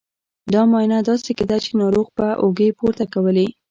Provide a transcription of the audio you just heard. دا معاینه داسې کېده چې ناروغ به اوږې پورته کولې.